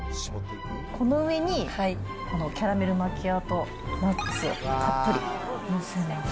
この上に、このキャラメルマキアートナッツをたっぷり載せます。